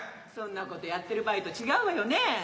そんなことやってる場合と違うわよね？